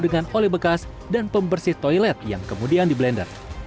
dengan oli bekas dan pembersih toilet yang kemudian diblender